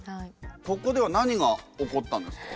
ここでは何が起こったんですか？